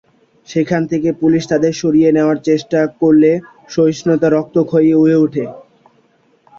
সেখান থেকে পুলিশ তাঁদের সরিয়ে দেওয়ার চেষ্টা করলে সহিংসতা রক্তক্ষয়ী হয়ে ওঠে।